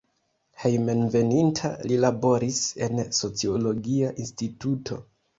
Hejmenveninta li laboris en sociologia instituto.